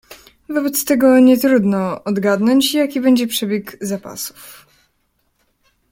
"Wobec tego nie trudno odgadnąć, jaki będzie przebieg zapasów."